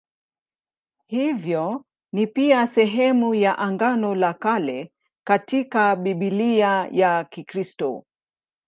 Hivyo ni pia sehemu ya Agano la Kale katika Biblia ya Kikristo.